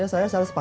yang ini berapa